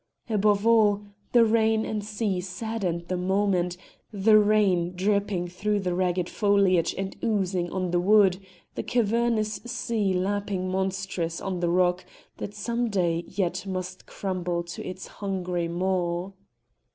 Above all, the rain and sea saddened the moment the rain dripping through the ragged foliage and oozing on the wood, the cavernous sea lapping monstrous on the rock that some day yet must crumble to its hungry maw.